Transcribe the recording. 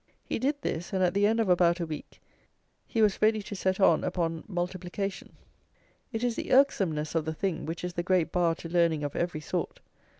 He did this, and at the end of about a week he was ready to set on upon multiplication. It is the irksomeness of the thing which is the great bar to learning of every sort.